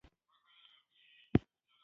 انسان له زمري څخه زړورتیا زده کړه.